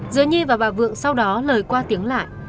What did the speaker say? giữa nhi và bà vượng sau đó lời qua tiếng lại